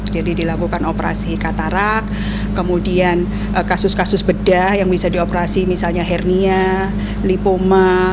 jadi dilakukan operasi qatarak kemudian kasus kasus bedah yang bisa dioperasi misalnya hernia lipoma